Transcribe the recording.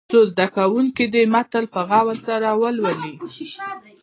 څو زده کوونکي دې متن په غور سره ولولي.